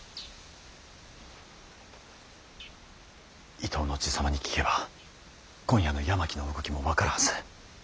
伊東の爺様に聞けば今夜の山木の動きも分かるはず。